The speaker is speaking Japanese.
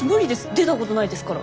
出たことないですから。